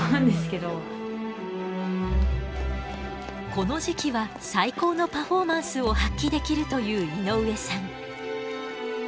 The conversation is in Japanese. この時期は最高のパフォーマンスを発揮できるという井上さん。